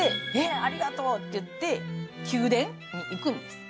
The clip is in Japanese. ありがとうって言って宮殿に行くんです。